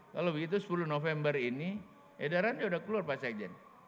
kalau begitu sepuluh november ini edarannya sudah keluar pak sekjen